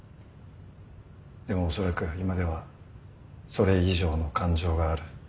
でもおそらく今ではそれ以上の感情がある。